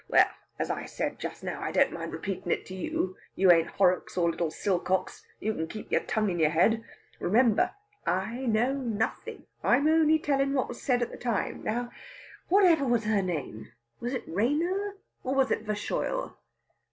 Well, as I said just now, I don't mind repeatin' it to you; you ain't Horrocks nor little Silcox you can keep your tongue in your head. Remember, I know nothing; I'm only tellin' what was said at the time.... Now, whatever was her name? Was it Rayner, or was it Verschoyle?